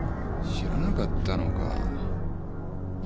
知らなかったのか。